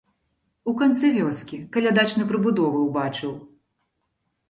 У канцы вёскі каля дачнай прыбудовы убачыў.